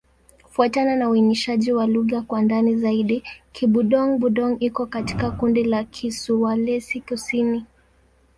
Kufuatana na uainishaji wa lugha kwa ndani zaidi, Kibudong-Budong iko katika kundi la Kisulawesi-Kusini.